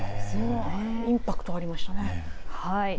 インパクトありましたね。